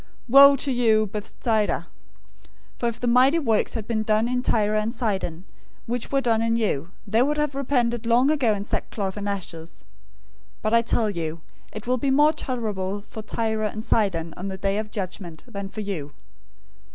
Woe to you, Bethsaida! For if the mighty works had been done in Tyre and Sidon which were done in you, they would have repented long ago in sackcloth and ashes. 011:022 But I tell you, it will be more tolerable for Tyre and Sidon on the day of judgment than for you.